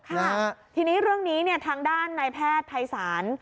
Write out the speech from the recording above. ค่ะทีนี้เรื่องนี้ทางด้านนายแพทย์ภัยศาล